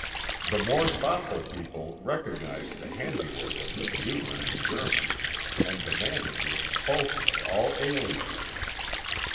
The more thoughtful people recognized the handiwork of the Jew and the German, and demanded the expulsion of all aliens.